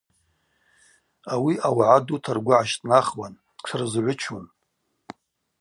Ауи ауагӏа дута ргвы гӏащтӏнахуан, тшрызгӏвычун.